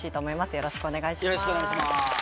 よろしくお願いします。